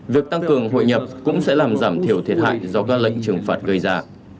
việc tăng cường hội nhập cũng sẽ làm giảm thiểu thiệt hại do các lệnh trừng phạt gây ra